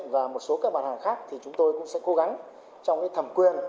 và một số các mặt hàng khác thì chúng tôi cũng sẽ cố gắng trong cái thẩm quyền